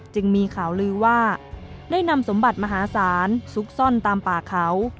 จึงมีข่าวลือว่าได้นำสมบัติมหาศาลซุกซ่อนตามป่าเขา